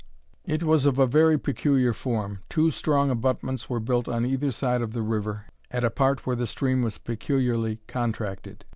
It was of a very peculiar form. Two strong abutments were built on either side of the river, at a part where the stream was peculiarly contracted.